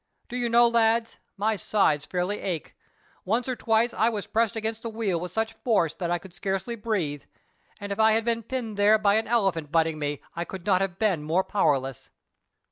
Do you know, lads, my sides fairly ache. Once or twice I was pressed against the wheel with such force that I could scarcely breathe, and if I had been pinned there by an elephant butting me I could not have been more powerless.